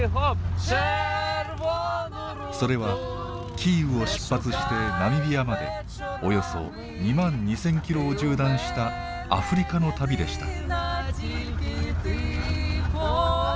それはキーウを出発してナミビアまでおよそ２万２，０００キロを縦断したアフリカの旅でした。